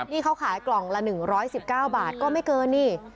นี่เขาขายกล่องละ๑๑๙บาทก็ไม่เกินนี่